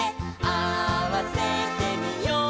「合わせてみよう」